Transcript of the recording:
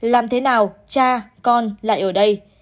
làm thế nào cha con lại ở đây